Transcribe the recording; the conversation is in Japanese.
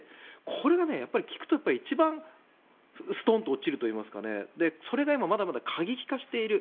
これが、聞くと一番ストンと落ちるといいますかそれがまだまだ過激化している。